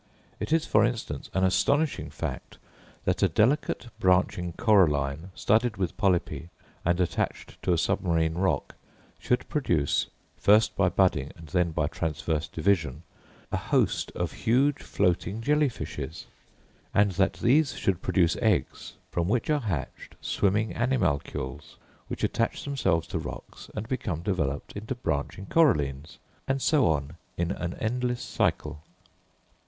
It is, for instance, an astonishing fact that a delicate branching coralline, studded with polypi, and attached to a submarine rock, should produce, first by budding and then by transverse division, a host of huge floating jelly fishes; and that these should produce eggs, from which are hatched swimming animalcules, which attach themselves to rocks and become developed into branching corallines; and so on in an endless cycle.